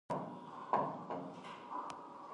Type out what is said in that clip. اقتصاد د اقتصادي ودې عوامل تحلیلوي.